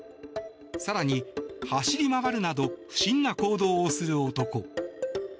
更に、走り回るなど不審な行動をする男。